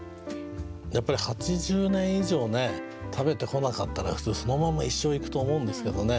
やっぱり８０年以上食べてこなかったら普通そのまんま一生いくと思うんですけどね